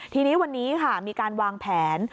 ทีนี้วันนี้ค่ะมีการวางแผน